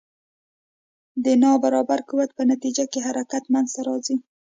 د نا برابر قوت په نتیجه کې حرکت منځته راځي.